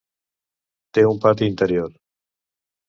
Té un pati interior.